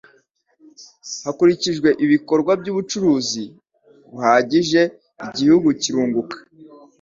hakurikijwe ibikorwa by ‘ubucuruzi buhagije igihungu kirunguka